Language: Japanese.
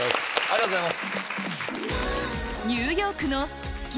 ありがとうございます！